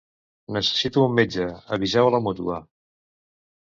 Necessito un metge; aviseu a la mútua.